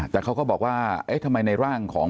แต่เขาก็บอกว่าเอ๊ะทำไมในร่างของ